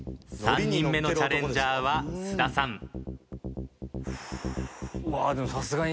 ３人目のチャレンジャーは菅田さん。